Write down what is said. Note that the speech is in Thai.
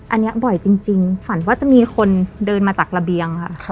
อันนี้บ่อยจริงฝันว่าจะมีคนเดินมาจากระเบียงค่ะ